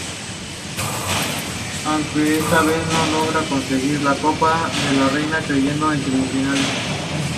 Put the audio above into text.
Aunque esta vez no logran conseguir la Copa de la Reina, cayendo en semifinales.